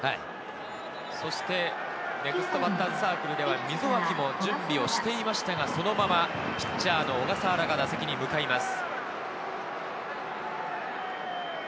そしてネクストバッターズサークルでは溝脇も準備していましたが、そのままピッチャーの小笠原が打席に向かいます。